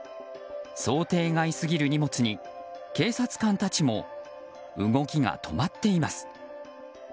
想定外過ぎる荷物に警察官たちも動きが止まっています。